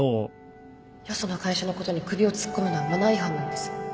よその会社のことに首を突っ込むのはマナー違反なんです